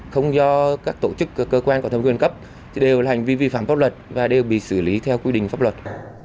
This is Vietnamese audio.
không do các tổ chức cơ quan có thẩm quyền cấp thì đều là hành vi vi phạm pháp luật và đều bị xử lý theo quy định pháp luật